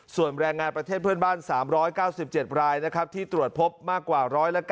ส่วนแรงงานประเทศเพื่อนบ้าน๓๙๗รายนะครับที่ตรวจพบมากกว่า๑๙